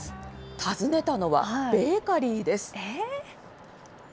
訪ねたのは、ベーカリーです。